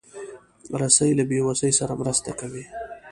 رسۍ له بېوسۍ سره مرسته کوي.